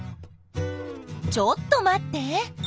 ちょっと待って。